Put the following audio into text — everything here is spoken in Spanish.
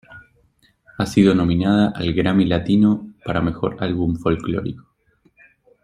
Ha sido nominada al Grammy Latino para Mejor Álbum Folklórico.